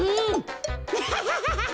アハハハ！